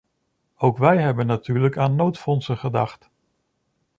Ook wij hebben natuurlijk aan noodfondsen gedacht.